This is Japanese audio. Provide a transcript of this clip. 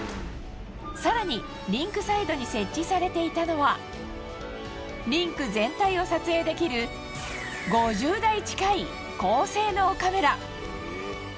更に、リンクサイドに設置されていたのはリンク全体を撮影できる５０台近い高性能カメラ。